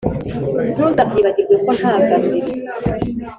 Ntuzabyibagirwe, ko nta garuriro!